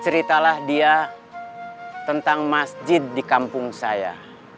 ceritalah dia tentang masjid di kampung saya